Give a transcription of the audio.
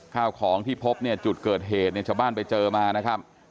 ข้าวของที่พบเนี่ยจุดเกิดเหตุเนี่ยชาวบ้านไปเจอมานะครับ